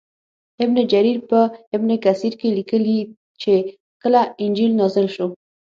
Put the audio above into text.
ابن جریر په ابن کثیر کې لیکلي چې کله انجیل نازل شو.